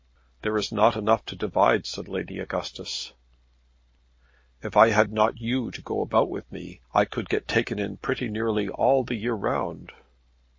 "There is not enough to divide," said Lady Augustus. "If I had not you to go about with me I could get taken in pretty nearly all the year round."